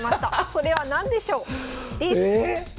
それは何でしょう？です！え？